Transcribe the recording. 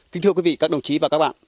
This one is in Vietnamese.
xin chào quý vị các đồng chí và các bạn